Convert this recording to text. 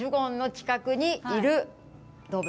近くにいる動物？